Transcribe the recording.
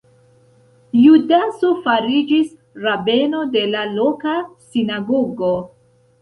Judaso fariĝis rabeno de la loka sinagogo.